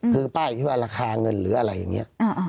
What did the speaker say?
คือป้ายที่ว่าราคาเงินหรืออะไรอย่างนี้